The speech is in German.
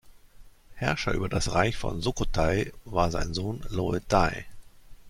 Herrscher über das Reich von Sukhothai war sein Sohn Loe Thai.